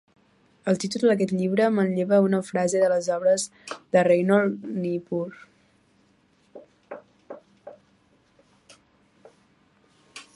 El títol d'aquest llibre manlleva una frase de les obres de Reinhold Niebuhr.